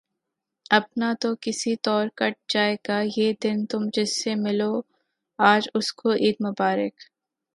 اپنا تو کسی طور کٹ جائے گا یہ دن، تم جس سے ملو آج اس کو عید مبارک